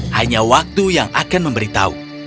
hanya waktu yang akan memberitahu